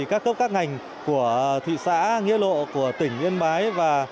các cấp các ngành của thị xã nghĩa lộ của tỉnh yên bái và